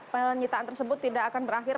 penyitaan tersebut tidak akan berakhir